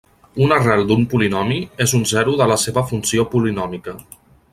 Una arrel d'un polinomi és un zero de la seva funció polinòmica.